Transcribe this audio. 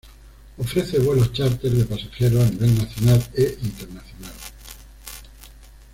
Ofrece vuelos chárter de pasajeros a nivel nacional e internacional.